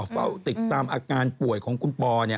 เฝ้าติดตามอาการป่วยของคุณปอ